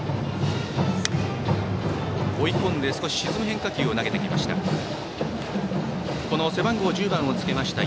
追い込んで沈む変化球を投げてきました。